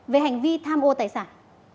về hành vi tham ô tài sản